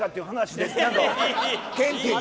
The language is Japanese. ケンティーと。